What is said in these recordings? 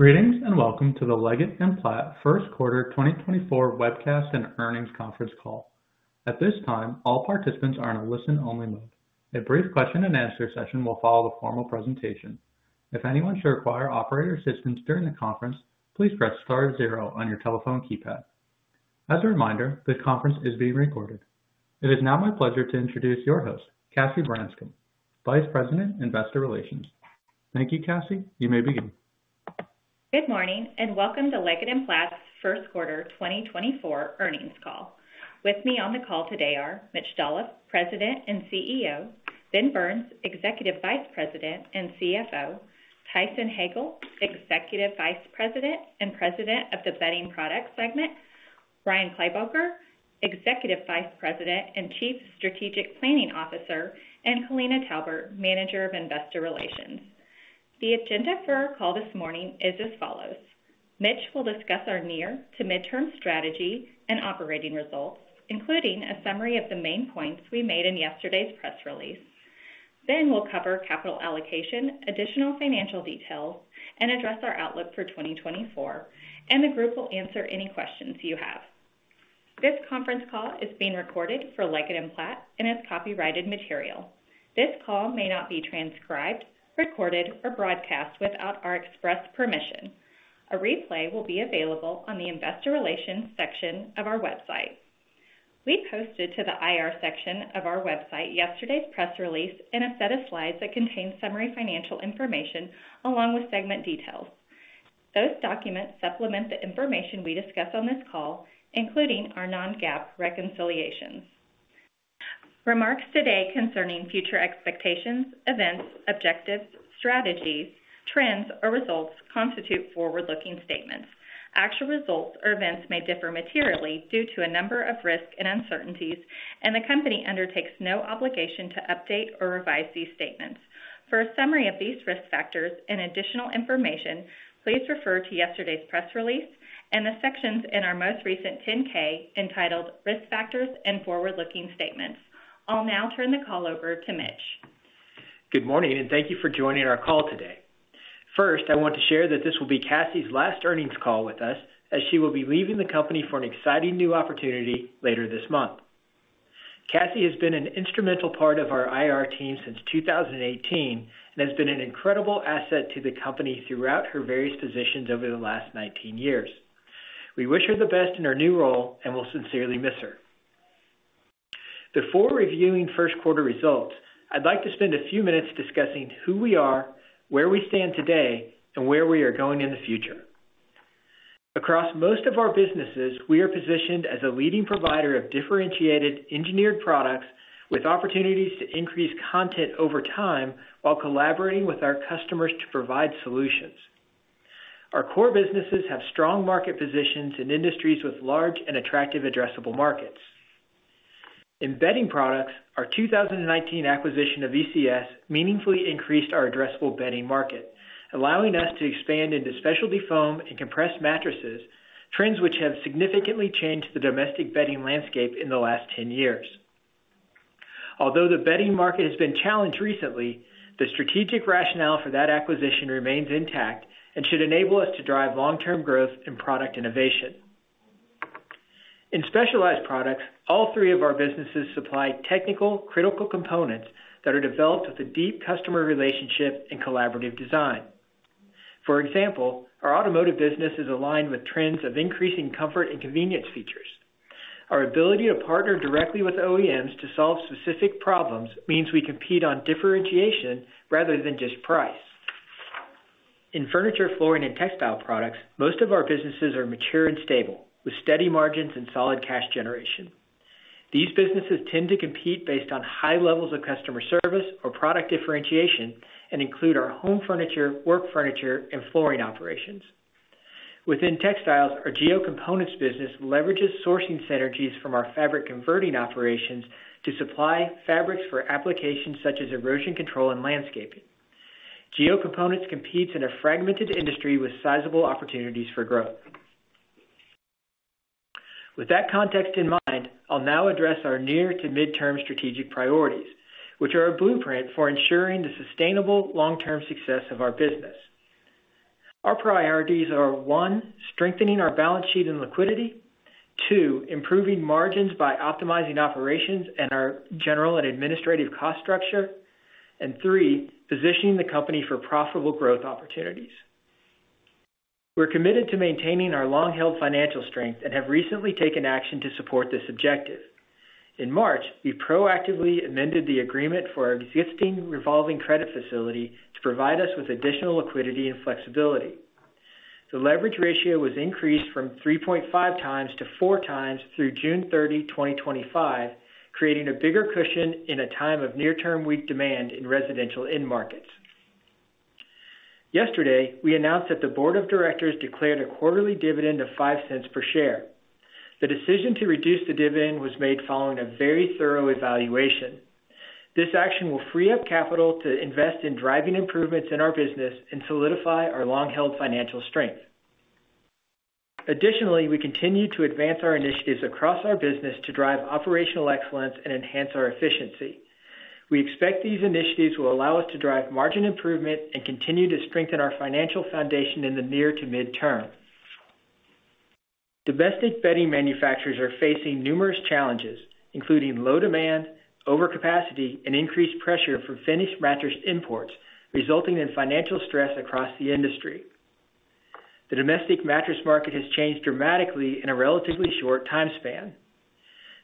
Greetings, and welcome to the Leggett & Platt First Quarter 2024 Webcast and Earnings Conference Call. At this time, all participants are in a listen-only mode. A brief question and answer session will follow the formal presentation. If anyone should require operator assistance during the conference, please press star zero on your telephone keypad. As a reminder, this conference is being recorded. It is now my pleasure to introduce your host, Cassie Branscum, Vice President, Investor Relations. Thank you, Cassie. You may begin. Good morning, and welcome to Leggett & Platt's First Quarter 2024 earnings call. With me on the call today are Mitch Dolloff, President and CEO, Ben Burns, Executive Vice President and CFO, Tyson Hagale, Executive Vice President and President of the Bedding Product segment, Brian Kleiboeker, Executive Vice President and Chief Strategic Planning Officer, and Tina Talbert, Manager of Investor Relations. The agenda for our call this morning is as follows: Mitch will discuss our near to midterm strategy and operating results, including a summary of the main points we made in yesterday's press release. Then we'll cover capital allocation, additional financial details, and address our outlook for 2024, and the group will answer any questions you have. This conference call is being recorded for Leggett & Platt and is copyrighted material. This call may not be transcribed, recorded, or broadcast without our express permission. A replay will be available on the investor relations section of our website. We posted to the IR section of our website yesterday's press release and a set of slides that contain summary financial information along with segment details. Those documents supplement the information we discuss on this call, including our non-GAAP reconciliations. Remarks today concerning future expectations, events, objectives, strategies, trends, or results constitute forward-looking statements. Actual results or events may differ materially due to a number of risks and uncertainties, and the company undertakes no obligation to update or revise these statements. For a summary of these risk factors and additional information, please refer to yesterday's press release and the sections in our most recent 10-K entitled Risk Factors and Forward-Looking Statements. I'll now turn the call over to Mitch. Good morning, and thank you for joining our call today. First, I want to share that this will be Cassie's last earnings call with us, as she will be leaving the company for an exciting new opportunity later this month. Cassie has been an instrumental part of our IR team since 2018 and has been an incredible asset to the company throughout her various positions over the last 19 years. We wish her the best in her new role, and we'll sincerely miss her. Before reviewing first quarter results, I'd like to spend a few minutes discussing who we are, where we stand today, and where we are going in the future. Across most of our businesses, we are positioned as a leading provider of differentiated engineered products with opportunities to increase content over time while collaborating with our customers to provide solutions. Our core businesses have strong market positions in industries with large and attractive addressable markets. In bedding products, our 2019 acquisition of ECS meaningfully increased our addressable bedding market, allowing us to expand into specialty foam and compressed mattresses, trends which have significantly changed the domestic bedding landscape in the last 10 years. Although the bedding market has been challenged recently, the strategic rationale for that acquisition remains intact and should enable us to drive long-term growth and product innovation. In specialized products, all three of our businesses supply technical, critical components that are developed with a deep customer relationship and collaborative design. For example, our automotive business is aligned with trends of increasing comfort and convenience features. Our ability to partner directly with OEMs to solve specific problems means we compete on differentiation rather than just price. In furniture, flooring, and textile products, most of our businesses are mature and stable, with steady margins and solid cash generation. These businesses tend to compete based on high levels of customer service or product differentiation and include our home furniture, work furniture, and flooring operations. Within textiles, our Geo Components business leverages sourcing synergies from our fabric converting operations to supply fabrics for applications such as erosion control and landscaping. Geo Components competes in a fragmented industry with sizable opportunities for growth. With that context in mind, I'll now address our near to midterm strategic priorities, which are a blueprint for ensuring the sustainable long-term success of our business. Our priorities are, one, strengthening our balance sheet and liquidity, two, improving margins by optimizing operations and our general and administrative cost structure, and three, positioning the company for profitable growth opportunities. We're committed to maintaining our long-held financial strength and have recently taken action to support this objective. In March, we proactively amended the agreement for our existing revolving credit facility to provide us with additional liquidity and flexibility. The leverage ratio was increased from 3.5 times to four times through June 30, 2025, creating a bigger cushion in a time of near-term weak demand in residential end markets. Yesterday, we announced that the board of directors declared a quarterly dividend of $0.05 per share. The decision to reduce the dividend was made following a very thorough evaluation. This action will free up capital to invest in driving improvements in our business and solidify our long-held financial strength.... Additionally, we continue to advance our initiatives across our business to drive operational excellence and enhance our efficiency. We expect these initiatives will allow us to drive margin improvement and continue to strengthen our financial foundation in the near to midterm. Domestic bedding manufacturers are facing numerous challenges, including low demand, overcapacity, and increased pressure from finished mattress imports, resulting in financial stress across the industry. The domestic mattress market has changed dramatically in a relatively short time span.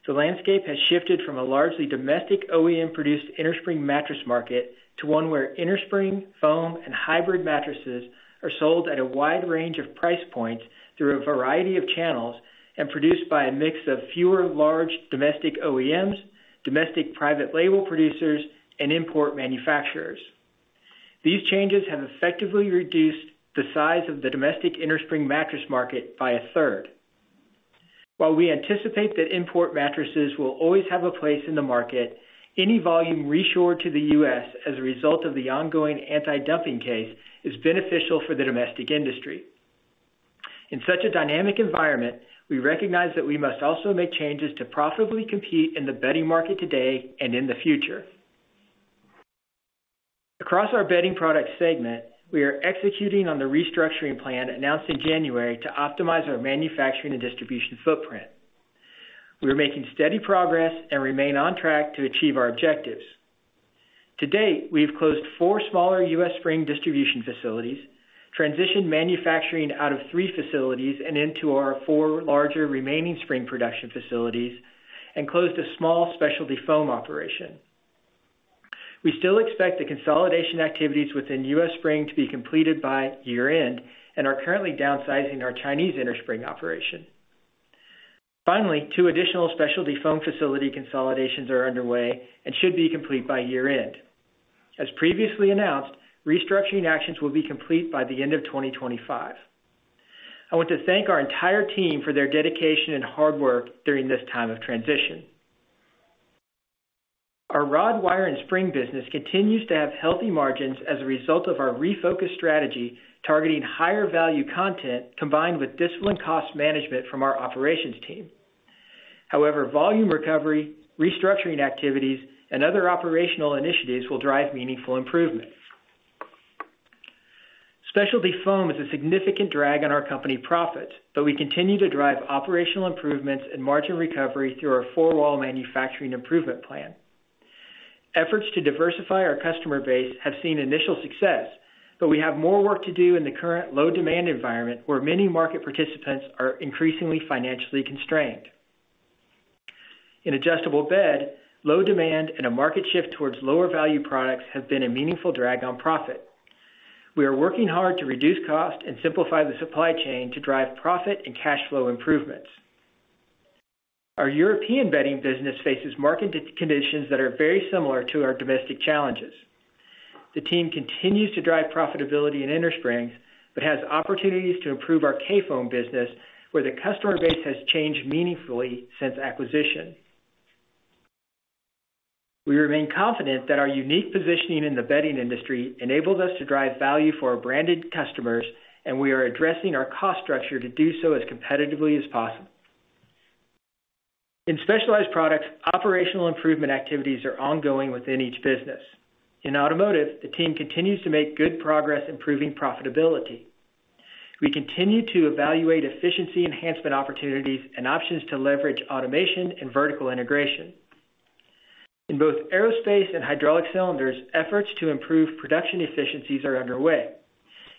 The landscape has shifted from a largely domestic OEM-produced innerspring mattress market to one where innerspring, foam, and hybrid mattresses are sold at a wide range of price points through a variety of channels and produced by a mix of fewer large domestic OEMs, domestic private label producers, and import manufacturers. These changes have effectively reduced the size of the domestic innerspring mattress market by a third. While we anticipate that import mattresses will always have a place in the market, any volume reshored to the U.S. as a result of the ongoing anti-dumping case is beneficial for the domestic industry. In such a dynamic environment, we recognize that we must also make changes to profitably compete in the bedding market today and in the future. Across our Bedding Product segment, we are executing on the restructuring plan announced in January to optimize our manufacturing and distribution footprint. We are making steady progress and remain on track to achieve our objectives. To date, we have closed four smaller U.S. Spring distribution facilities, transitioned manufacturing out of three facilities and into our four larger remaining spring production facilities, and closed a small specialty foam operation. We still expect the consolidation activities within U.S. Spring to be completed by year-end and are currently downsizing our Chinese innerspring operation. Finally, two additional specialty foam facility consolidations are underway and should be complete by year-end. As previously announced, restructuring actions will be complete by the end of 2025. I want to thank our entire team for their dedication and hard work during this time of transition. Our rod, wire, and spring business continues to have healthy margins as a result of our refocused strategy, targeting higher value content combined with disciplined cost management from our operations team. However, volume recovery, restructuring activities, and other operational initiatives will drive meaningful improvement. Specialty foam is a significant drag on our company profits, but we continue to drive operational improvements and margin recovery through our four-wall manufacturing improvement plan. Efforts to diversify our customer base have seen initial success, but we have more work to do in the current low-demand environment, where many market participants are increasingly financially constrained. In adjustable bed, low demand and a market shift towards lower value products have been a meaningful drag on profit. We are working hard to reduce cost and simplify the supply chain to drive profit and cash flow improvements. Our European bedding business faces market conditions that are very similar to our domestic challenges. The team continues to drive profitability in innersprings, but has opportunities to improve our Kayfoam business, where the customer base has changed meaningfully since acquisition. We remain confident that our unique positioning in the bedding industry enables us to drive value for our branded customers, and we are addressing our cost structure to do so as competitively as possible. In specialized products, operational improvement activities are ongoing within each business. In automotive, the team continues to make good progress improving profitability. We continue to evaluate efficiency enhancement opportunities and options to leverage automation and vertical integration. In both aerospace and hydraulic cylinders, efforts to improve production efficiencies are underway.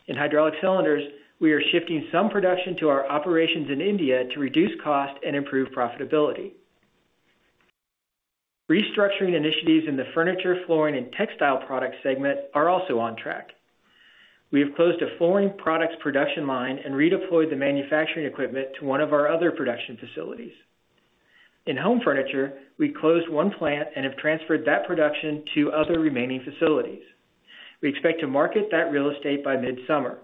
In hydraulic cylinders, we are shifting some production to our operations in India to reduce cost and improve profitability. Restructuring initiatives in the furniture, flooring, and textile product segment are also on track. We have closed a flooring products production line and redeployed the manufacturing equipment to one of our other production facilities. In home furniture, we closed one plant and have transferred that production to other remaining facilities. We expect to market that real estate by mid-summer.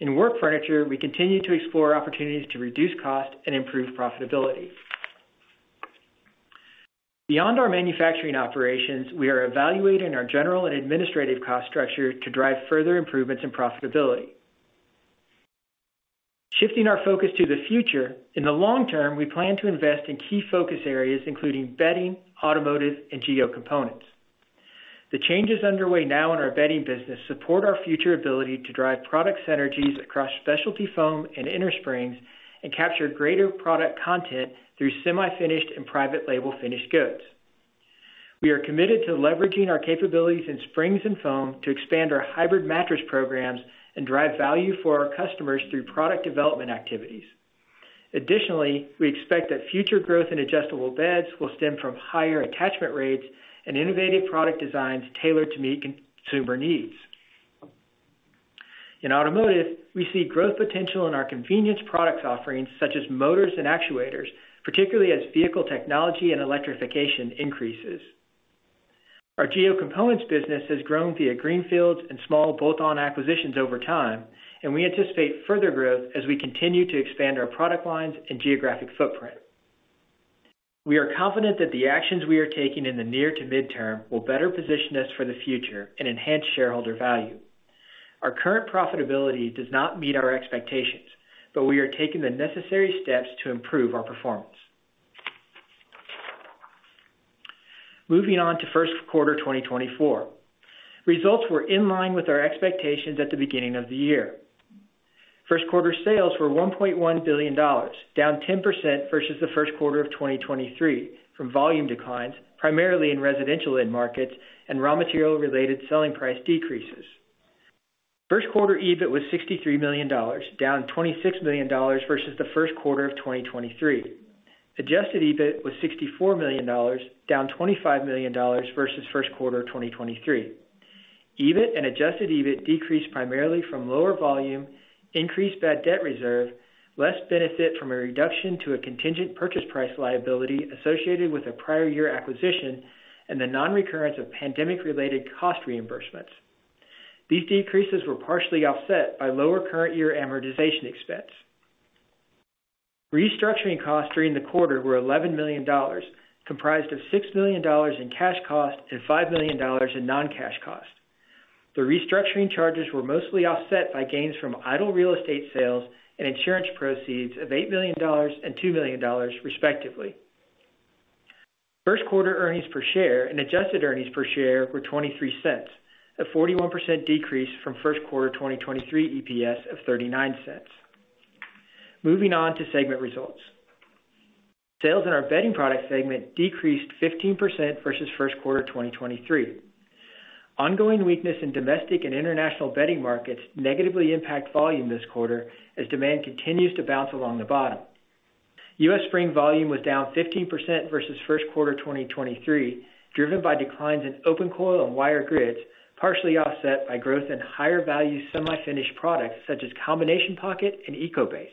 In work furniture, we continue to explore opportunities to reduce cost and improve profitability. Beyond our manufacturing operations, we are evaluating our general and administrative cost structure to drive further improvements in profitability. Shifting our focus to the future, in the long term, we plan to invest in key focus areas, including bedding, automotive, and Geo Components. The changes underway now in our bedding business support our future ability to drive product synergies across specialty foam and innersprings and capture greater product content through semi-finished and private label finished goods. We are committed to leveraging our capabilities in springs and foam to expand our hybrid mattress programs and drive value for our customers through product development activities. Additionally, we expect that future growth in adjustable beds will stem from higher attachment rates and innovative product designs tailored to meet consumer needs. In automotive, we see growth potential in our convenience products offerings, such as motors and actuators, particularly as vehicle technology and electrification increases. Our Geo Components business has grown via greenfields and small bolt-on acquisitions over time, and we anticipate further growth as we continue to expand our product lines and geographic footprint. We are confident that the actions we are taking in the near to midterm will better position us for the future and enhance shareholder value. Our current profitability does not meet our expectations, but we are taking the necessary steps to improve our performance. Moving on to first quarter 2024. Results were in line with our expectations at the beginning of the year. First quarter sales were $1.1 billion, down 10% versus the first quarter of 2023, from volume declines, primarily in residential end markets and raw material-related selling price decreases. First quarter EBIT was $63 million, down $26 million versus the first quarter of 2023. Adjusted EBIT was $64 million, down $25 million versus first quarter of 2023. EBIT and adjusted EBIT decreased primarily from lower volume, increased bad debt reserve, less benefit from a reduction to a contingent purchase price liability associated with a prior year acquisition, and the non-recurrence of pandemic-related cost reimbursements. These decreases were partially offset by lower current year amortization expense. Restructuring costs during the quarter were $11 million, comprised of $6 million in cash costs and $5 million in non-cash costs. The restructuring charges were mostly offset by gains from idle real estate sales and insurance proceeds of $8 million and $2 million, respectively. First quarter earnings per share and adjusted earnings per share were $0.23, a 41% decrease from first quarter 2023 EPS of $0.39. Moving on to segment results. Sales in our Bedding Products segment decreased 15% versus first quarter 2023. Ongoing weakness in domestic and international bedding markets negatively impact volume this quarter, as demand continues to bounce along the bottom. U.S. Spring volume was down 15% versus first quarter 2023, driven by declines in open coil and wire grids, partially offset by growth in higher value semi-finished products such as combination pocket and Eco-Base.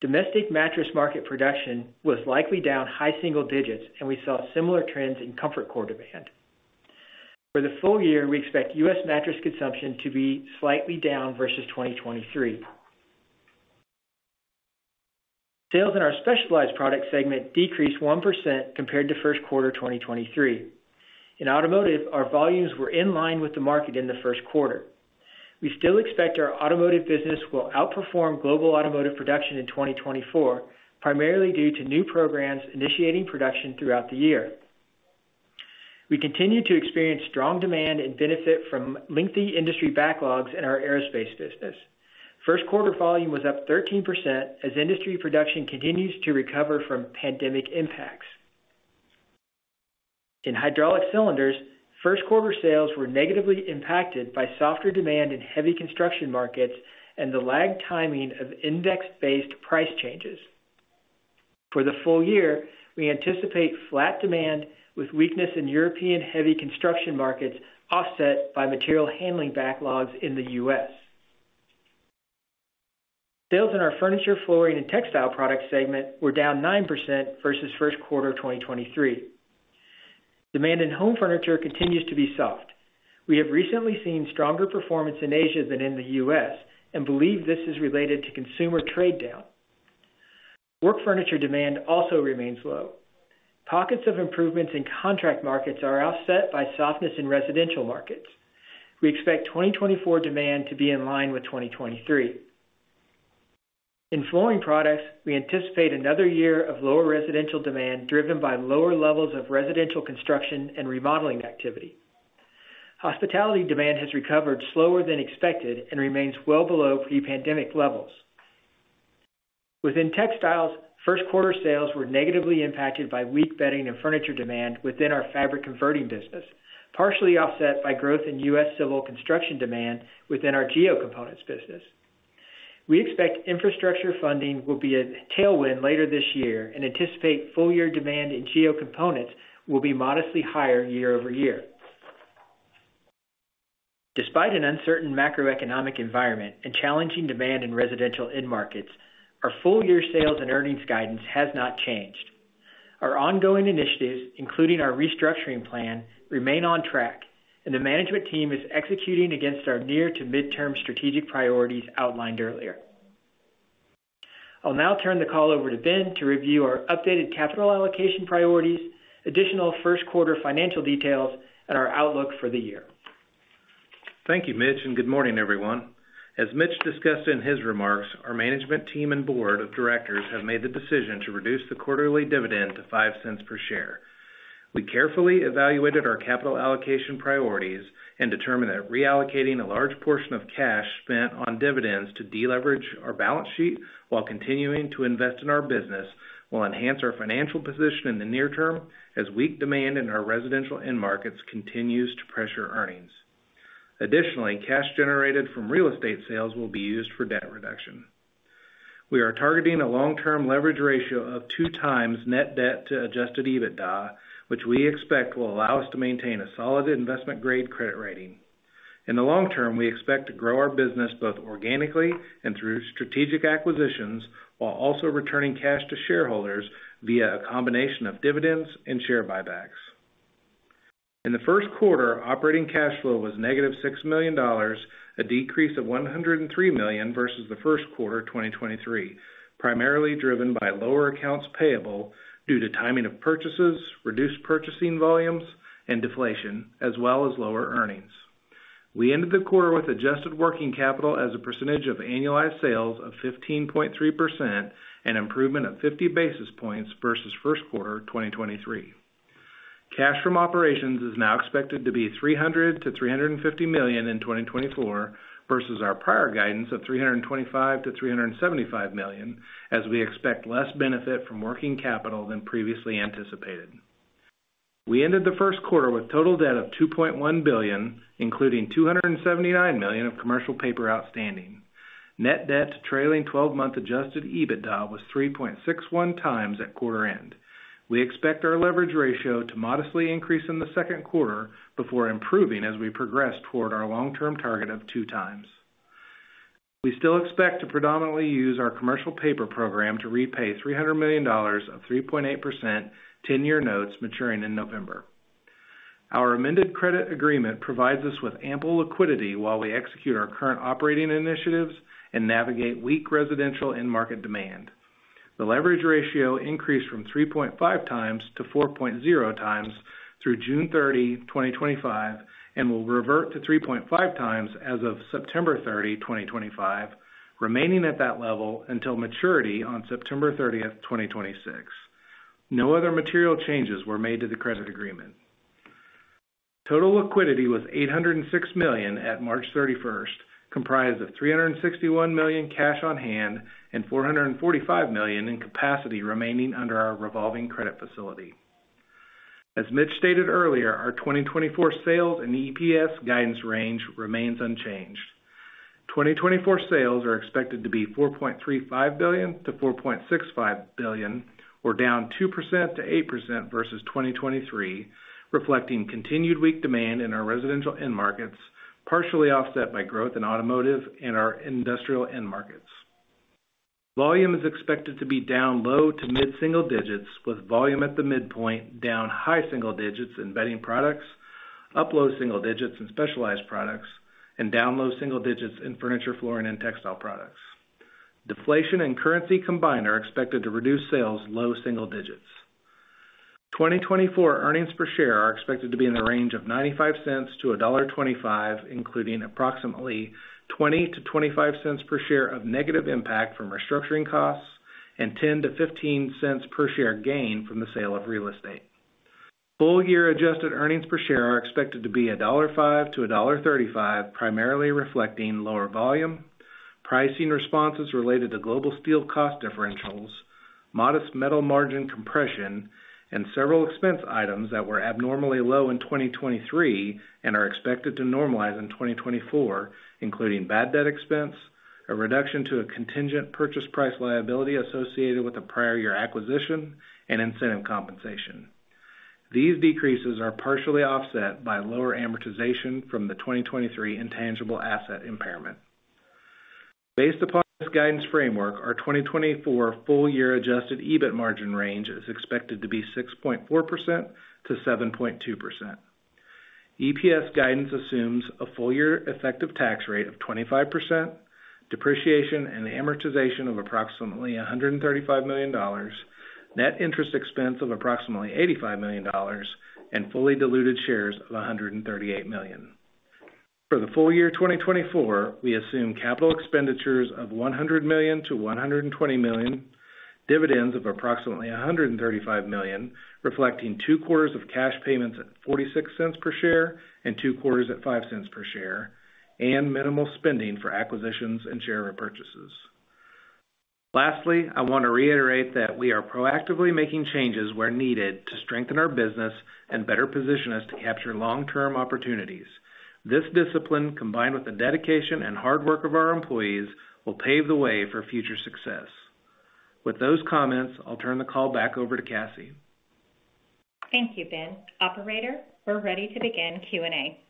Domestic mattress market production was likely down high single digits, and we saw similar trends in ComfortCore demand. For the full year, we expect U.S. mattress consumption to be slightly down versus 2023. Sales in our Specialized Products segment decreased 1% compared to first quarter 2023. In automotive, our volumes were in line with the market in the first quarter. We still expect our automotive business will outperform global automotive production in 2024, primarily due to new programs initiating production throughout the year. We continue to experience strong demand and benefit from lengthy industry backlogs in our aerospace business. First quarter volume was up 13%, as industry production continues to recover from pandemic impacts. In hydraulic cylinders, first quarter sales were negatively impacted by softer demand in heavy construction markets and the lag timing of index-based price changes. For the full year, we anticipate flat demand, with weakness in European heavy construction markets offset by material handling backlogs in the U.S. Sales in our Furniture, Flooring, and Textile Products segment were down 9% versus first quarter 2023. Demand in home furniture continues to be soft. We have recently seen stronger performance in Asia than in the U.S. and believe this is related to consumer trade down. Work furniture demand also remains low. Pockets of improvements in contract markets are offset by softness in residential markets. We expect 2024 demand to be in line with 2023. In flooring products, we anticipate another year of lower residential demand, driven by lower levels of residential construction and remodeling activity. Hospitality demand has recovered slower than expected and remains well below pre-pandemic levels. Within textiles, first quarter sales were negatively impacted by weak bedding and furniture demand within our fabric converting business, partially offset by growth in U.S. civil construction demand within our Geo Components business. We expect infrastructure funding will be a tailwind later this year and anticipate full year demand in Geo Components will be modestly higher year-over-year. Despite an uncertain macroeconomic environment and challenging demand in residential end markets, our full year sales and earnings guidance has not changed. Our ongoing initiatives, including our restructuring plan, remain on track, and the management team is executing against our near to midterm strategic priorities outlined earlier. I'll now turn the call over to Ben to review our updated capital allocation priorities, additional first quarter financial details, and our outlook for the year. Thank you, Mitch, and good morning, everyone. As Mitch discussed in his remarks, our management team and board of directors have made the decision to reduce the quarterly dividend to $0.05 per share. We carefully evaluated our capital allocation priorities and determined that reallocating a large portion of cash spent on dividends to deleverage our balance sheet while continuing to invest in our business, will enhance our financial position in the near term, as weak demand in our residential end markets continues to pressure earnings. Additionally, cash generated from real estate sales will be used for debt reduction. We are targeting a long-term leverage ratio of two times net debt to Adjusted EBITDA, which we expect will allow us to maintain a solid investment-grade credit rating. In the long term, we expect to grow our business both organically and through strategic acquisitions, while also returning cash to shareholders via a combination of dividends and share buybacks. In the first quarter, operating cash flow was -$6 million, a decrease of $103 million versus the first quarter of 2023, primarily driven by lower accounts payable due to timing of purchases, reduced purchasing volumes, and deflation, as well as lower earnings. We ended the quarter with adjusted working capital as a percentage of annualized sales of 15.3%, an improvement of 50 basis points versus first quarter 2023. Cash from operations is now expected to be $300 million-$350 million in 2024, versus our prior guidance of $325 million-$375 million, as we expect less benefit from working capital than previously anticipated. We ended the first quarter with total debt of $2.1 billion, including $279 million of commercial paper outstanding. Net debt trailing twelve-month adjusted EBITDA was 3.61 times at quarter end. We expect our leverage ratio to modestly increase in the second quarter before improving as we progress toward our long-term target of two times. We still expect to predominantly use our commercial paper program to repay $300 million of 3.8% ten-year notes maturing in November. Our amended credit agreement provides us with ample liquidity while we execute our current operating initiatives and navigate weak residential end market demand. The leverage ratio increased from 3.5 times to 4.0 times through June 30, 2025, and will revert to 3.5 times as of September 30, 2025, remaining at that level until maturity on September 30, 2026. No other material changes were made to the credit agreement. Total liquidity was $806 million at March 31, comprised of $361 million cash on hand and $445 million in capacity remaining under our revolving credit facility. As Mitch stated earlier, our 2024 sales and EPS guidance range remains unchanged. 2024 sales are expected to be $4.35 billion-$4.65 billion, or down 2%-8% versus 2023, reflecting continued weak demand in our residential end markets, partially offset by growth in automotive and our industrial end markets. Volume is expected to be down low- to mid-single digits, with volume at the midpoint down high single digits in bedding products, up low single digits in specialized products, and down low single digits in furniture, flooring, and textile products. Deflation and currency combined are expected to reduce sales low single digits. 2024 earnings per share are expected to be in the range of $0.95-$1.25, including approximately $0.20-$0.25 per share of negative impact from restructuring costs and $0.10-$0.15 per share gain from the sale of real estate. Full-year adjusted earnings per share are expected to be $5-$5.35, primarily reflecting lower volume, pricing responses related to global steel cost differentials, modest metal margin compression, and several expense items that were abnormally low in 2023 and are expected to normalize in 2024, including bad debt expense, a reduction to a contingent purchase price liability associated with a prior year acquisition, and incentive compensation. These decreases are partially offset by lower amortization from the 2023 intangible asset impairment. Based upon this guidance framework, our 2024 full-year adjusted EBIT margin range is expected to be 6.4%-7.2%. EPS guidance assumes a full-year effective tax rate of 25%, depreciation and amortization of approximately $135 million, net interest expense of approximately $85 million, and fully diluted shares of 138 million. For the full year 2024, we assume capital expenditures of $100 million-$120 million, dividends of approximately $135 million, reflecting two quarters of cash payments at $0.46 per share and two quarters at $0.05 per share, and minimal spending for acquisitions and share repurchases. Lastly, I want to reiterate that we are proactively making changes where needed to strengthen our business and better position us to capture long-term opportunities. This discipline, combined with the dedication and hard work of our employees, will pave the way for future success. With those comments, I'll turn the call back over to Cassie. Thank you, Ben. Operator, we're ready to begin Q&A.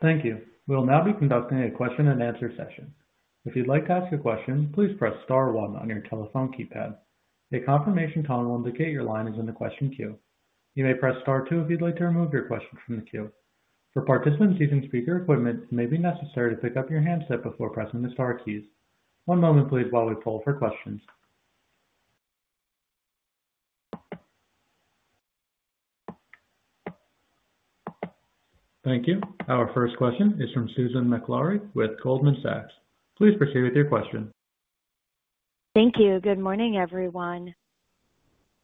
Thank you. We'll now be conducting a question-and-answer session. If you'd like to ask a question, please press star one on your telephone keypad. A confirmation tone will indicate your line is in the question queue. You may press Star two if you'd like to remove your question from the queue. For participants using speaker equipment, it may be necessary to pick up your handset before pressing the star keys. One moment, please, while we poll for questions. Thank you. Our first question is from Susan Maklari with Goldman Sachs. Please proceed with your question. Thank you. Good morning, everyone.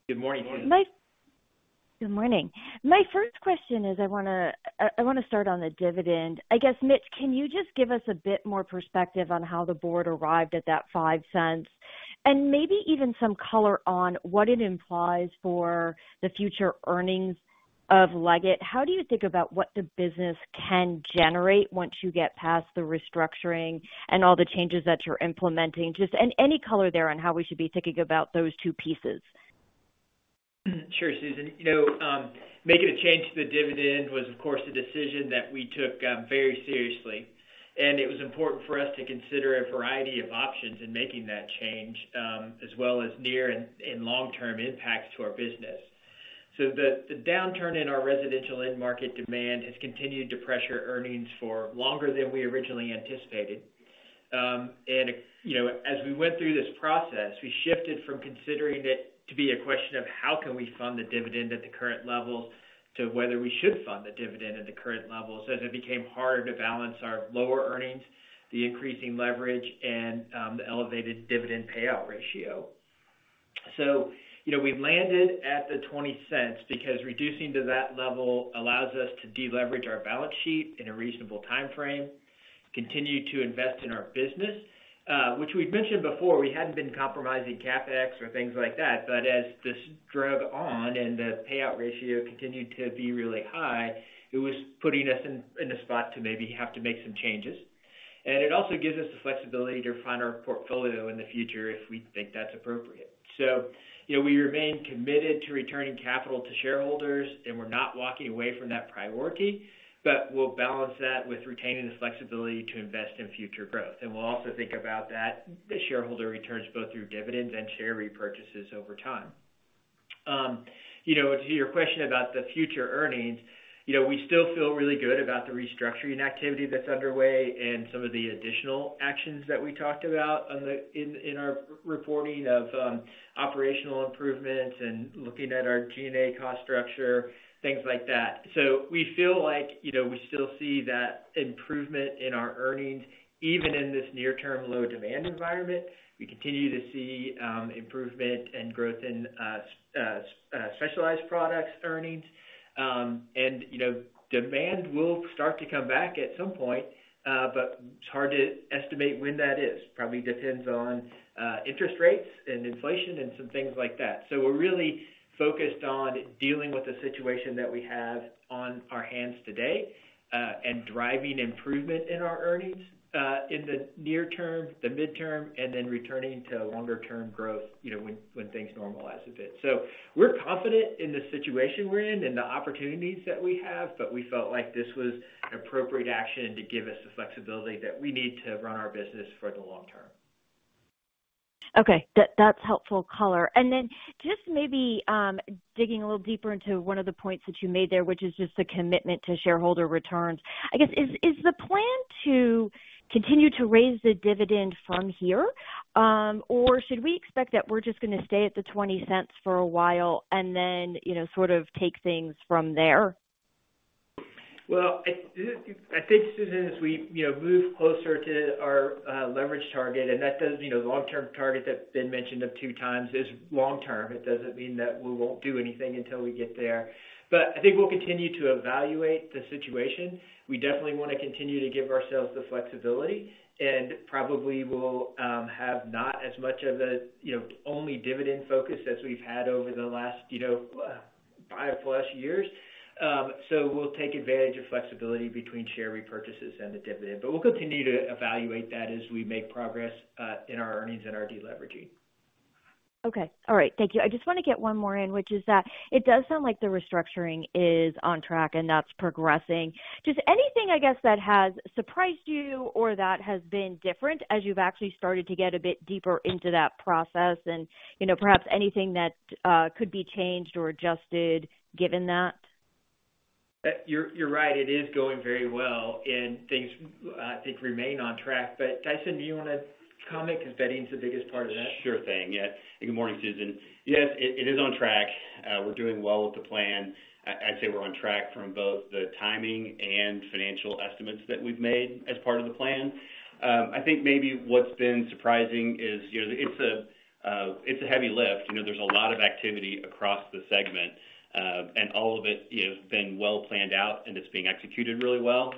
Good morning. Good morning. My first question is, I wanna, I wanna start on the dividend. I guess, Mitch, can you just give us a bit more perspective on how the board arrived at that $0.05? And maybe even some color on what it implies for the future earnings of Leggett. How do you think about what the business can generate once you get past the restructuring and all the changes that you're implementing? Just, and any color there on how we should be thinking about those two pieces. Sure, Susan. You know, making a change to the dividend was, of course, a decision that we took very seriously.... and it was important for us to consider a variety of options in making that change, as well as near and long-term impacts to our business. So the downturn in our residential end market demand has continued to pressure earnings for longer than we originally anticipated. And, you know, as we went through this process, we shifted from considering it to be a question of how can we fund the dividend at the current level, to whether we should fund the dividend at the current level, so as it became harder to balance our lower earnings, the increasing leverage and, the elevated dividend payout ratio. So, you know, we landed at the $0.20 because reducing to that level allows us to deleverage our balance sheet in a reasonable timeframe, continue to invest in our business, which we've mentioned before, we hadn't been compromising CapEx or things like that, but as this dragged on and the payout ratio continued to be really high, it was putting us in a spot to maybe have to make some changes. And it also gives us the flexibility to refine our portfolio in the future if we think that's appropriate. So, you know, we remain committed to returning capital to shareholders, and we're not walking away from that priority, but we'll balance that with retaining the flexibility to invest in future growth. And we'll also think about that, the shareholder returns, both through dividends and share repurchases over time. You know, to your question about the future earnings, you know, we still feel really good about the restructuring activity that's underway and some of the additional actions that we talked about in our reporting of operational improvements and looking at our G&A cost structure, things like that. So we feel like, you know, we still see that improvement in our earnings. Even in this near term, low demand environment, we continue to see improvement and growth in specialized products earnings. And, you know, demand will start to come back at some point, but it's hard to estimate when that is. Probably depends on interest rates and inflation and some things like that. So we're really focused on dealing with the situation that we have on our hands today, and driving improvement in our earnings, in the near term, the midterm, and then returning to longer term growth, you know, when things normalize a bit. So we're confident in the situation we're in and the opportunities that we have, but we felt like this was an appropriate action to give us the flexibility that we need to run our business for the long term. Okay, that's helpful color. And then just maybe digging a little deeper into one of the points that you made there, which is just the commitment to shareholder returns. I guess, is the plan to continue to raise the dividend from here? Or should we expect that we're just gonna stay at the $0.20 for a while and then, you know, sort of take things from there? Well, I think, Susan, as we, you know, move closer to our leverage target, and that does. You know, long-term target that's been mentioned of two times is long-term. It doesn't mean that we won't do anything until we get there. But I think we'll continue to evaluate the situation. We definitely want to continue to give ourselves the flexibility, and probably will have not as much of a, you know, only dividend focus as we've had over the last, you know, five-plus years. So we'll take advantage of flexibility between share repurchases and the dividend, but we'll continue to evaluate that as we make progress in our earnings and our deleveraging. Okay. All right, thank you. I just want to get one more in, which is that it does sound like the restructuring is on track and that's progressing. Just anything, I guess, that has surprised you or that has been different as you've actually started to get a bit deeper into that process and, you know, perhaps anything that could be changed or adjusted, given that? You're right, it is going very well, and things, I think remain on track. But Tyson, do you want to comment? Because bedding's the biggest part of that. Sure thing. Yeah. Good morning, Susan. Yes, it is on track. We're doing well with the plan. I'd say we're on track from both the timing and financial estimates that we've made as part of the plan. I think maybe what's been surprising is, you know, it's a heavy lift. You know, there's a lot of activity across the segment, and all of it, you know, been well planned out, and it's being executed really well.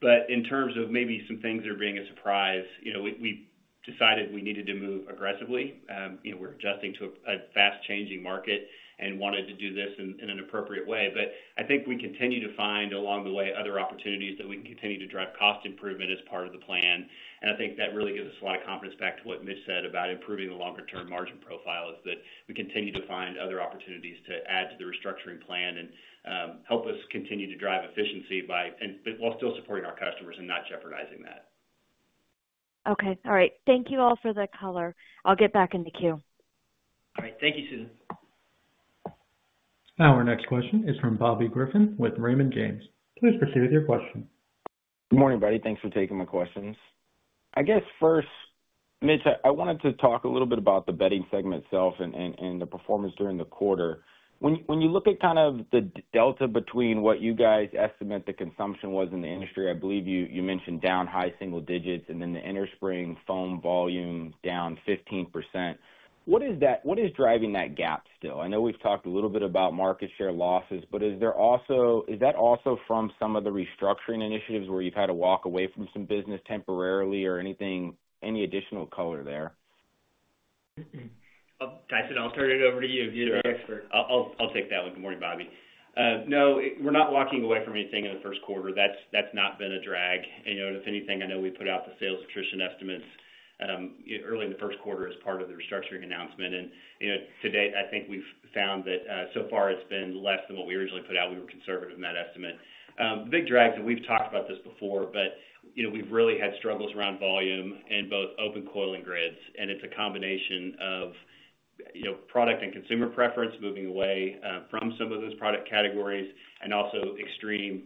But in terms of maybe some things that are being a surprise, you know, we decided we needed to move aggressively. You know, we're adjusting to a fast-changing market and wanted to do this in an appropriate way. But I think we continue to find, along the way, other opportunities that we can continue to drive cost improvement as part of the plan. And I think that really gives us a lot of confidence back to what Mitch said about improving the longer term margin profile, is that we continue to find other opportunities to add to the restructuring plan and help us continue to drive efficiency while still supporting our customers and not jeopardizing that. Okay. All right. Thank you all for the color. I'll get back in the queue. All right. Thank you, Susan. Our next question is from Bobby Griffin with Raymond James. Please proceed with your question. Good morning, everybody. Thanks for taking my questions. I guess, first, Mitch, I wanted to talk a little bit about the bedding segment itself and the performance during the quarter. When you look at kind of the delta between what you guys estimate the consumption was in the industry, I believe you mentioned down high single digits%, and then the innerspring foam volume down 15%. What is that? What is driving that gap still? I know we've talked a little bit about market share losses, but is there also? Is that also from some of the restructuring initiatives where you've had to walk away from some business temporarily or anything, any additional color there? Tyson, I'll turn it over to you. You're the expert. I'll take that one. Good morning, Bobby. No, we're not walking away from anything in the first quarter. That's not been a drag. You know, and if anything, I know we put out the sales attrition estimates early in the first quarter as part of the restructuring announcement. You know, to date, I think we've found that so far it's been less than what we originally put out. We were conservative in that estimate. The big drag, and we've talked about this before, but, you know, we've really had struggles around volume in both open coil and grids, and it's a combination of, you know, product and consumer preference moving away from some of those product categories, and also extreme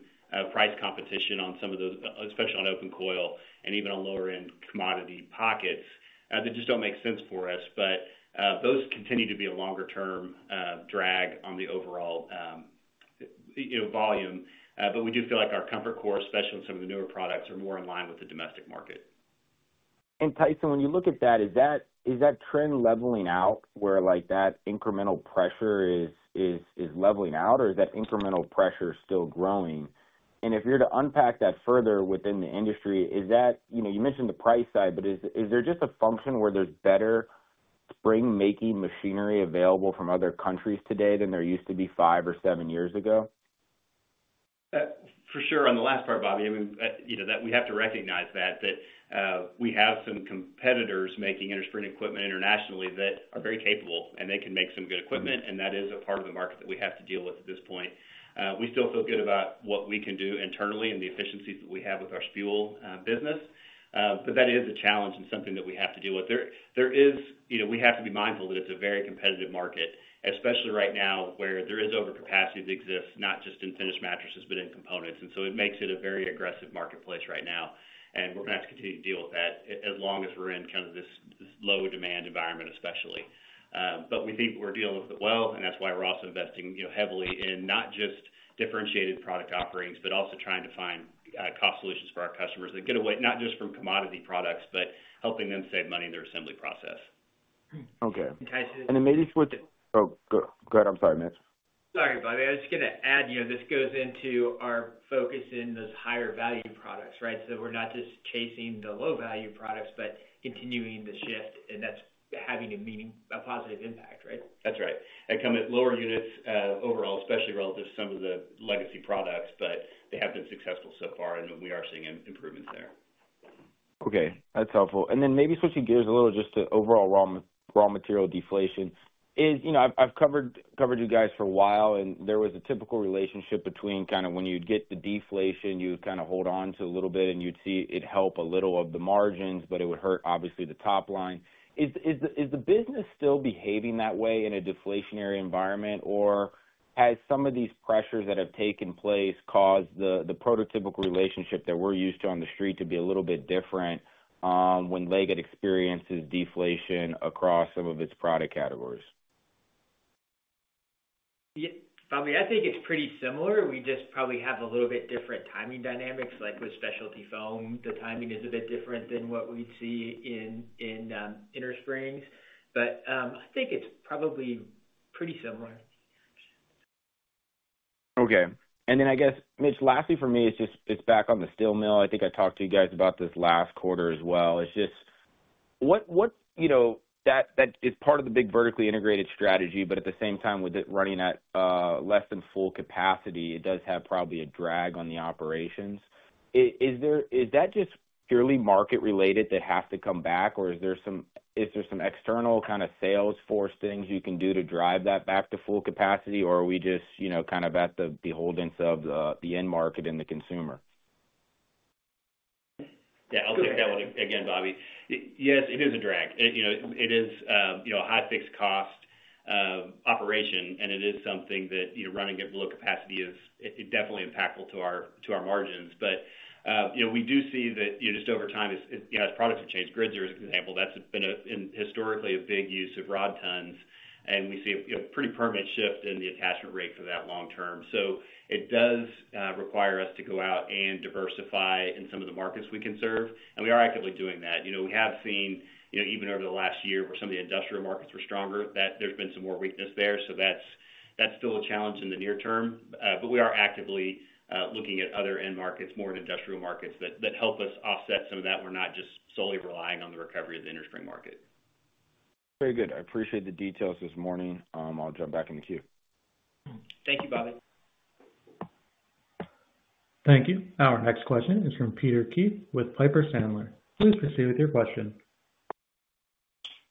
price competition on some of those, especially on open coil and even on lower-end commodity pockets that just don't make sense for us. But those continue to be a longer term drag on the overall, you know, volume. But we do feel like our ComfortCore, especially with some of the newer products, are more in line with the domestic market. And Tyson, when you look at that, is that trend leveling out, where, like, that incremental pressure is leveling out, or is that incremental pressure still growing? And if you're to unpack that further within the industry, is that... You know, you mentioned the price side, but is there just a function where there's better spring-making machinery available from other countries today than there used to be five or seven years ago? For sure, on the last part, Bobby, I mean, you know, that we have to recognize that we have some competitors making innerspring equipment internationally that are very capable, and they can make some good equipment, and that is a part of the market that we have to deal with at this point. We still feel good about what we can do internally and the efficiencies that we have with our steel business. But that is a challenge and something that we have to deal with. There is, you know, we have to be mindful that it's a very competitive market, especially right now, where there is overcapacity that exists, not just in finished mattresses, but in components, and so it makes it a very aggressive marketplace right now, and we're gonna have to continue to deal with that as long as we're in kind of this low demand environment, especially. But we think we're dealing with it well, and that's why we're also investing, you know, heavily in not just differentiated product offerings, but also trying to find cost solutions for our customers that get away, not just from commodity products, but helping them save money in their assembly process. Okay. And, Tyson- Oh, go ahead. I'm sorry, Mitch. Sorry, Bobby. I was just gonna add, you know, this goes into our focus in those higher value products, right? So we're not just chasing the low-value products, but continuing the shift, and that's having a meaning, a positive impact, right? That's right. And come at lower units, overall, especially relative to some of the legacy products, but they have been successful so far, and we are seeing improvements there. Okay, that's helpful. And then maybe switching gears a little just to overall raw material deflation. Is you know, I've covered you guys for a while, and there was a typical relationship between kind of when you'd get the deflation, you'd kind of hold on to a little bit, and you'd see it help a little of the margins, but it would hurt, obviously, the top line. Is the business still behaving that way in a deflationary environment, or has some of these pressures that have taken place caused the prototypical relationship that we're used to on the street to be a little bit different when Leggett experiences deflation across some of its product categories? Yeah. Bobby, I think it's pretty similar. We just probably have a little bit different timing dynamics, like with specialty foam. The timing is a bit different than what we'd see in innersprings. But, I think it's probably pretty similar. Okay. And then I guess, Mitch, lastly for me, it's just, it's back on the steel mill. I think I talked to you guys about this last quarter as well. It's just, you know, that, that is part of the big vertically integrated strategy, but at the same time, with it running at less than full capacity, it does have probably a drag on the operations. Is, is there— is that just purely market related that has to come back, or is there some, is there some external kind of sales force things you can do to drive that back to full capacity? Or are we just, you know, kind of at the beholden of the, the end market and the consumer? Yeah, I'll take that one again, Bobby. Yes, it is a drag. It, you know, it is a high fixed cost operation, and it is something that, you know, running at low capacity is definitely impactful to our margins. But, you know, we do see that, you know, just over time, as you know, as products have changed. Grids are an example. That's been historically a big use of rod tons, and we see a pretty permanent shift in the attachment rate for that long term. So it does require us to go out and diversify in some of the markets we can serve, and we are actively doing that. You know, we have seen, you know, even over the last year, where some of the industrial markets were stronger, that there's been some more weakness there. So that's, that's still a challenge in the near term. But we are actively looking at other end markets, more in industrial markets, that, that help us offset some of that. We're not just solely relying on the recovery of the innerspring market. Very good. I appreciate the details this morning. I'll jump back in the queue. Thank you, Bobby. Thank you. Our next question is from Peter Keith with Piper Sandler. Please proceed with your question.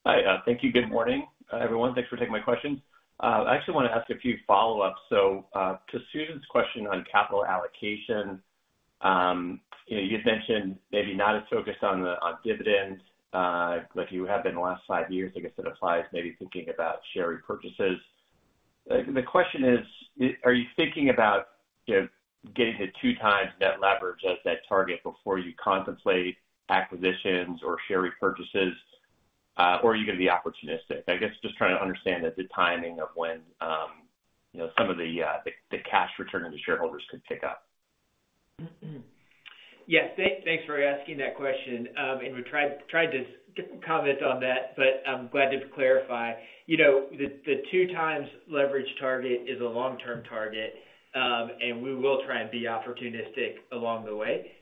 Hi. Thank you. Good morning, everyone. Thanks for taking my questions. I actually want to ask a few follow-ups. So, to Susan's question on capital allocation, you know, you'd mentioned maybe not as focused on the, on dividends, like you have been the last five years. I guess it applies maybe thinking about share repurchases. The question is, are you thinking about, you know, getting to two times net leverage as that target before you contemplate acquisitions or share repurchases, or are you going to be opportunistic? I guess just trying to understand the timing of when, you know, some of the cash return to the shareholders could pick up. ... Yes, thanks for asking that question. And we tried to comment on that, but I'm glad to clarify. You know, the two times leverage target is a long-term target, and we will try and be opportunistic along the way.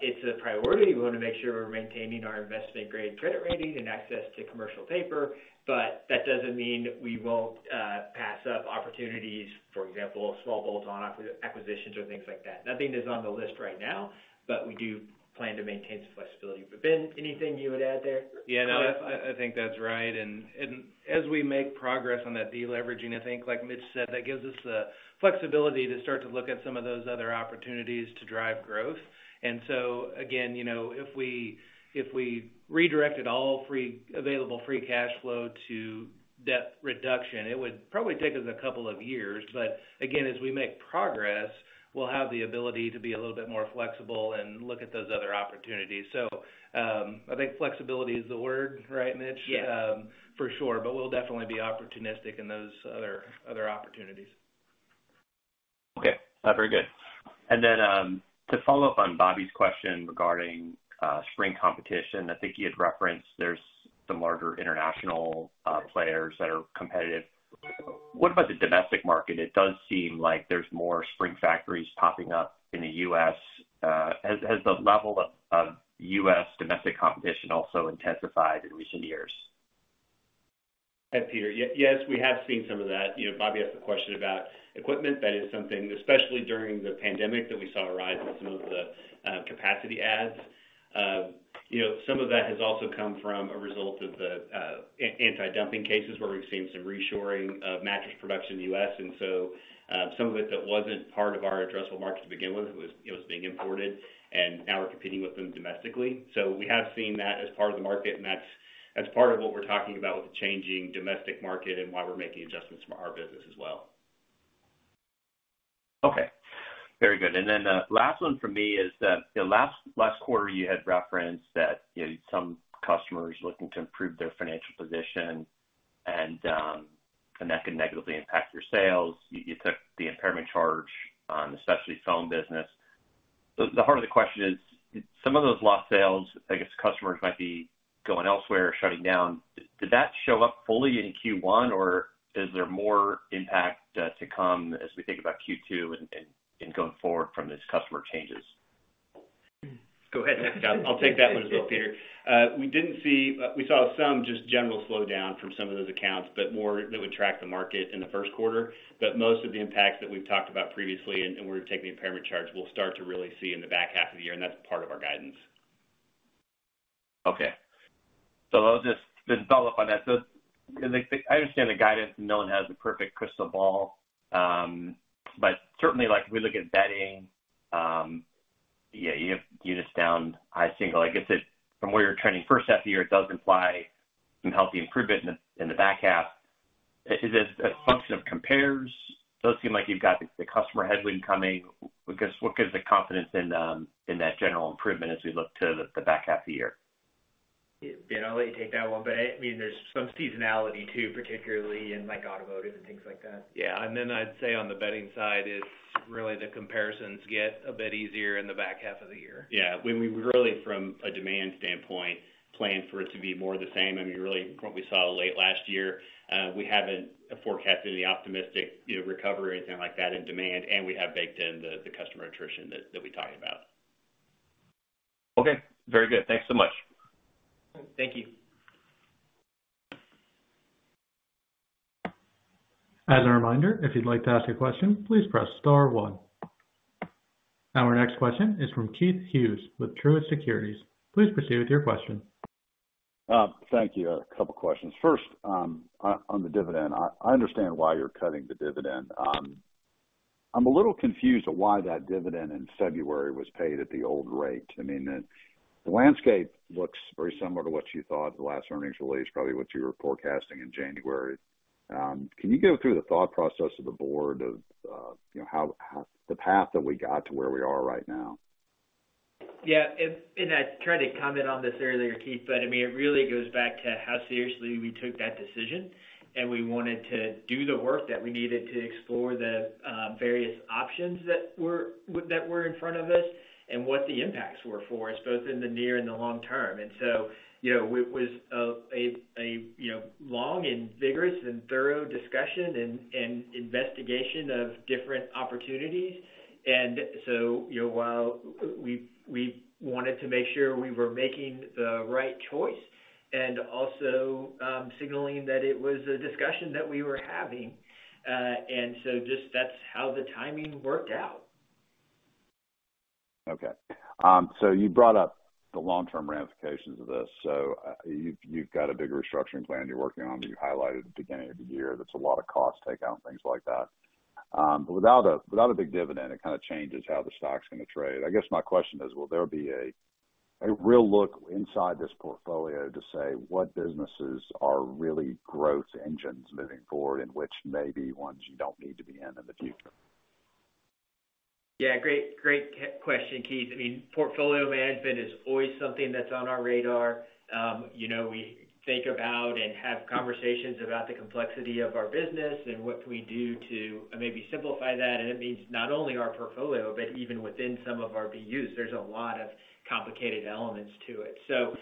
It's a priority. We want to make sure we're maintaining our investment grade credit rating and access to commercial paper, but that doesn't mean we won't pass up opportunities, for example, small bolt-on acquisitions or things like that. Nothing is on the list right now, but we do plan to maintain some flexibility. But Ben, anything you would add there? Yeah, no, I, I think that's right. And, and as we make progress on that deleveraging, I think, like Mitch said, that gives us the flexibility to start to look at some of those other opportunities to drive growth. And so again, you know, if we, if we redirected all available free cash flow to debt reduction, it would probably take us a couple of years. But again, as we make progress, we'll have the ability to be a little bit more flexible and look at those other opportunities. So, I think flexibility is the word, right, Mitch? Yeah. For sure, but we'll definitely be opportunistic in those other opportunities. Okay, very good. And then, to follow up on Bobby's question regarding spring competition, I think you had referenced there's some larger international players that are competitive. What about the domestic market? It does seem like there's more spring factories popping up in the U.S. Has the level of U.S. domestic competition also intensified in recent years? Hi, Peter. Yes, we have seen some of that. You know, Bobby asked a question about equipment. That is something, especially during the pandemic, that we saw a rise in some of the capacity adds. You know, some of that has also come from a result of the anti-dumping cases, where we've seen some reshoring of mattress production in the U.S. And so, some of it that wasn't part of our addressable market to begin with, it was being imported, and now we're competing with them domestically. So we have seen that as part of the market, and that's part of what we're talking about with the changing domestic market and why we're making adjustments for our business as well. Okay, very good. And then the last one from me is that, you know, last quarter, you had referenced that, you know, some customers looking to improve their financial position and that can negatively impact your sales. You took the impairment charge on the specialty foam business. So the heart of the question is, some of those lost sales, I guess, customers might be going elsewhere or shutting down. Did that show up fully in Q1, or is there more impact to come as we think about Q2 and going forward from this customer changes? Go ahead. I'll take that one as well, Peter. We saw some just general slowdown from some of those accounts, but more that would track the market in the first quarter. But most of the impacts that we've talked about previously and where we're taking the impairment charge, we'll start to really see in the back half of the year, and that's part of our guidance. Okay. So I'll just then follow up on that. So like, I understand the guidance, no one has the perfect crystal ball, but certainly, like, we look at bedding, yeah, you, you just down high single. I guess, if from where you're trending first half of the year, it does imply some healthy improvement in the, in the back half. Is this a function of compares? Does it seem like you've got the customer headwind coming? What gives, what gives the confidence in, in that general improvement as we look to the, the back half of the year? Yeah, Ben, I'll let you take that one. But, I mean, there's some seasonality, too, particularly in, like, automotive and things like that. Yeah, and then I'd say on the bedding side, it's really the comparisons get a bit easier in the back half of the year. Yeah, when we really, from a demand standpoint, plan for it to be more the same. I mean, really what we saw late last year, we haven't forecasted any optimistic, you know, recovery or anything like that in demand, and we have baked in the customer attrition that we talked about. Okay, very good. Thanks so much. Thank you. As a reminder, if you'd like to ask a question, please press star one. Our next question is from Keith Hughes with Truist Securities. Please proceed with your question. Thank you. A couple questions. First, on the dividend. I understand why you're cutting the dividend. I'm a little confused at why that dividend in February was paid at the old rate. I mean, the landscape looks very similar to what you thought the last earnings release, probably what you were forecasting in January. Can you go through the thought process of the board of, you know, how the path that we got to where we are right now? Yeah, and I tried to comment on this earlier, Keith, but I mean, it really goes back to how seriously we took that decision, and we wanted to do the work that we needed to explore the various options that were in front of us and what the impacts were for us, both in the near and the long term. And so, you know, it was a you know, long and vigorous and thorough discussion and investigation of different opportunities. And so, you know, while we wanted to make sure we were making the right choice and also signaling that it was a discussion that we were having, and so just that's how the timing worked out. Okay. So you brought up the long-term ramifications of this. So, you've, you've got a bigger restructuring plan you're working on, that you highlighted at the beginning of the year. That's a lot of cost takeout and things like that. But without a, without a big dividend, it kind of changes how the stock's gonna trade. I guess my question is, will there be a, a real look inside this portfolio to say what businesses are really growth engines moving forward, and which may be ones you don't need to be in, in the future? ... Yeah, great, great question, Keith. I mean, portfolio management is always something that's on our radar. You know, we think about and have conversations about the complexity of our business and what we do to maybe simplify that. And it means not only our portfolio, but even within some of our BUs, there's a lot of complicated elements to it. So,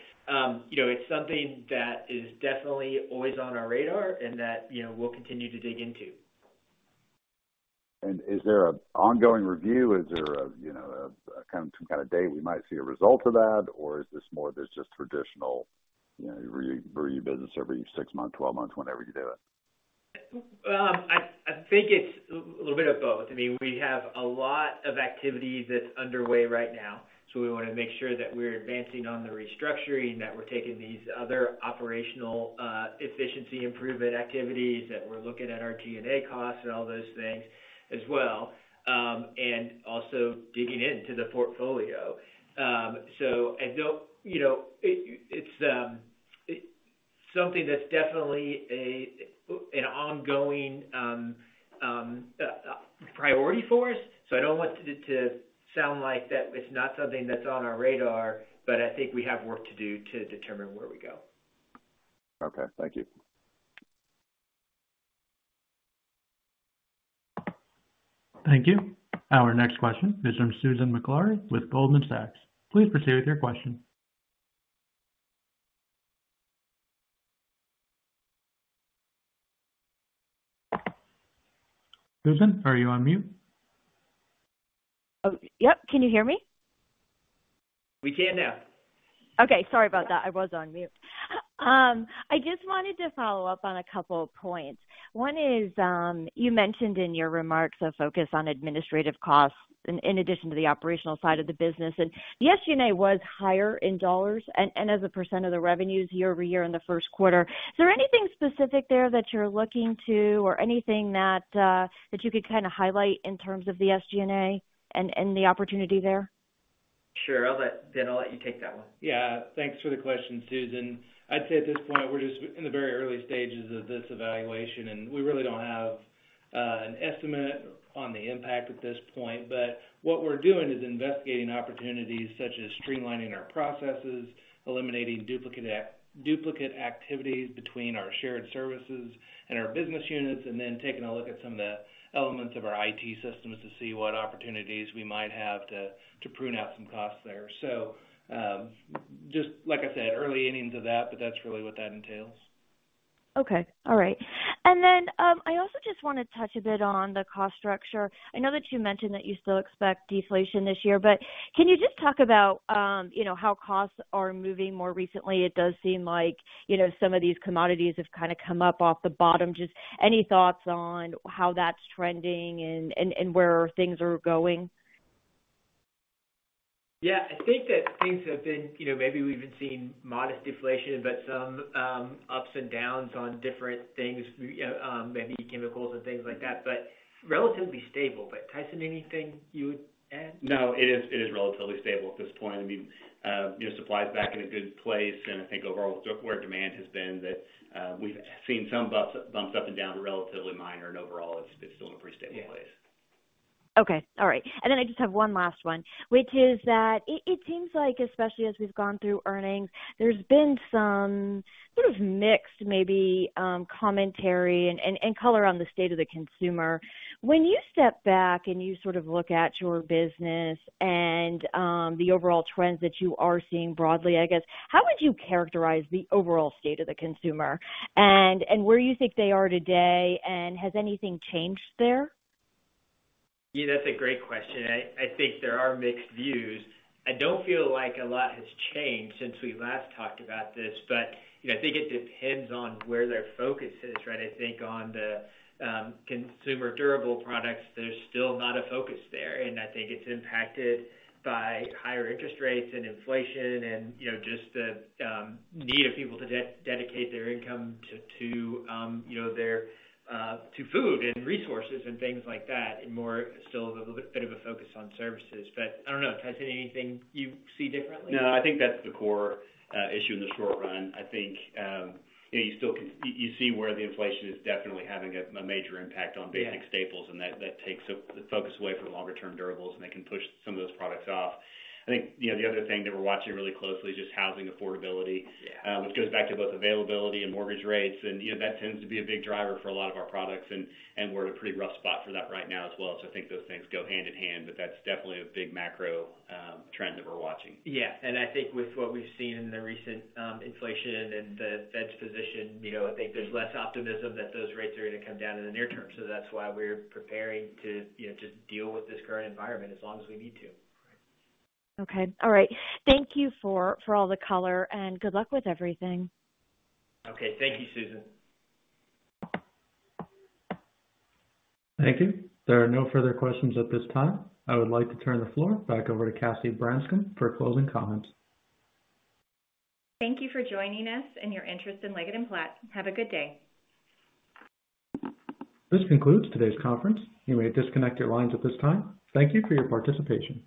you know, it's something that is definitely always on our radar and that, you know, we'll continue to dig into. Is there an ongoing review? Is there a, you know, kind of, some kind of date we might see a result of that? Or is this more of just traditional, you know, review business every six months, twelve months, whenever you do it? I think it's a little bit of both. I mean, we have a lot of activity that's underway right now, so we wanna make sure that we're advancing on the restructuring, that we're taking these other operational efficiency improvement activities, that we're looking at our G&A costs and all those things as well, and also digging into the portfolio. So, you know, it's something that's definitely an ongoing priority for us, so I don't want it to sound like it's not something that's on our radar, but I think we have work to do to determine where we go. Okay, thank you. Thank you. Our next question is from Susan Maklari with Goldman Sachs. Please proceed with your question. Susan, are you on mute? Oh, yep, can you hear me? We can now. Okay, sorry about that. I was on mute. I just wanted to follow up on a couple of points. One is, you mentioned in your remarks a focus on administrative costs in addition to the operational side of the business, and the SG&A was higher in dollars and as a percent of the revenues year over year in the first quarter. Is there anything specific there that you're looking to or anything that you could kinda highlight in terms of the SG&A and the opportunity there? Sure. Ben, I'll let you take that one. Yeah, thanks for the question, Susan. I'd say at this point, we're just in the very early stages of this evaluation, and we really don't have an estimate on the impact at this point. But what we're doing is investigating opportunities such as streamlining our processes, eliminating duplicate activities between our shared services and our business units, and then taking a look at some of the elements of our IT systems to see what opportunities we might have to prune out some costs there. So, just like I said, early innings of that, but that's really what that entails. Okay, all right. And then, I also just wanna touch a bit on the cost structure. I know that you mentioned that you still expect deflation this year, but can you just talk about, you know, how costs are moving more recently? It does seem like, you know, some of these commodities have kinda come up off the bottom. Just any thoughts on how that's trending and where things are going? Yeah, I think that things have been, you know, maybe we've even seen modest deflation, but some, ups and downs on different things, maybe chemicals and things like that, but relatively stable. But, Tyson, anything you would add? No, it is, it is relatively stable at this point. I mean, you know, supply is back in a good place, and I think overall where demand has been, that, we've seen some bumps, bumps up and down, but relatively minor and overall it's, it's still in a pretty stable place. Okay, all right. And then I just have one last one, which is that it seems like, especially as we've gone through earnings, there's been some sort of mixed, maybe, commentary and color on the state of the consumer. When you step back and you sort of look at your business and the overall trends that you are seeing broadly, I guess, how would you characterize the overall state of the consumer and where you think they are today, and has anything changed there? Yeah, that's a great question, and I think there are mixed views. I don't feel like a lot has changed since we last talked about this, but, you know, I think it depends on where their focus is, right? I think on the consumer durable products, there's still not a focus there, and I think it's impacted by higher interest rates and inflation and, you know, just the need of people to dedicate their income to, you know, to food and resources and things like that, and more still a little bit of a focus on services. But I don't know. Tyson, anything you see differently? No, I think that's the core issue in the short run. I think, you know, you still can... You see where the inflation is definitely having a major impact on- Yeah basic staples, and that takes the focus away from longer-term durables, and they can push some of those products off. I think, you know, the other thing that we're watching really closely is just housing affordability- Yeah which goes back to both availability and mortgage rates, and you know, that tends to be a big driver for a lot of our products, and we're in a pretty rough spot for that right now as well. So I think those things go hand in hand, but that's definitely a big macro trend that we're watching. Yeah, and I think with what we've seen in the recent inflation and the Fed's position, you know, I think there's less optimism that those rates are gonna come down in the near term. So that's why we're preparing to, you know, just deal with this current environment as long as we need to. Okay, all right. Thank you for all the color, and good luck with everything. Okay. Thank you, Susan. Thank you. There are no further questions at this time. I would like to turn the floor back over to Cassie Branscum for closing comments. Thank you for joining us and your interest in Leggett & Platt. Have a good day. This concludes today's conference. You may disconnect your lines at this time. Thank you for your participation.